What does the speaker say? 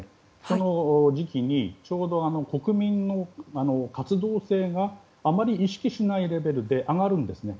その時期にちょうど国民の活動性があまり意識しないレベルで上がるんですね。